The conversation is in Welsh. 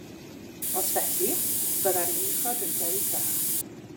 Os felly, byddai'r un uchod yn dewis da.